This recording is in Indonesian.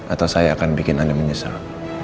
atau saya akan bikin anda menyesal